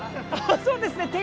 そうですね。